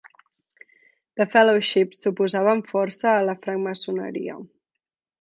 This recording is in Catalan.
The Fellowship s'oposava amb força a la francmaçoneria.